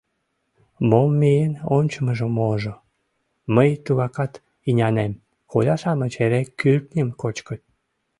— Мом миен ончымыжо-можо: мый тугакат ынянем: коля-шамыч эре кӱртньым кочкыт.